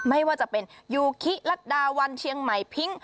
ไม่ว่าจะเป็นยูคิรัฐดาวันเชียงใหม่พิ้ง